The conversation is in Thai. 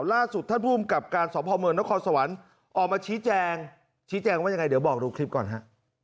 ล่าสุดท่านภูมิกับการสอบภอมเมืองนครสวรรค์ออกมาชี้แจงชี้แจงว่ายังไงเดี๋ยวบอกดูคลิปก่อนฮะ